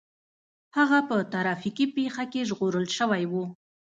هغه په ټرافيکي پېښه کې ژغورل شوی و